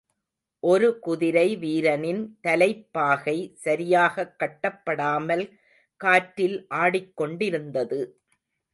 ஒரு குதிரை வீரனின் தலைப்பாகை சரியாகக் கட்டப்படாமல் காற்றில் ஆடிக் கொண்டிருந்தது.